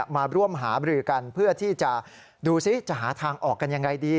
มาร่วมหาบรือกันเพื่อที่จะดูซิจะหาทางออกกันยังไงดี